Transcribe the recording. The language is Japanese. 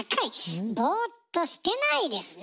ボーっとしてないですね。